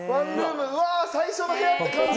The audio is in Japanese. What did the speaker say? うわ最初の部屋って感じ！